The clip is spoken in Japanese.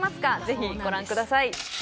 ぜひご覧ください。